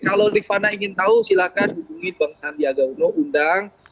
kalau rifana ingin tahu silahkan hubungi bang sandiaga uno undang